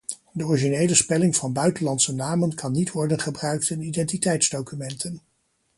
De originele spelling van buitenlandse namen kan niet worden gebruikt in identiteitsdocumenten.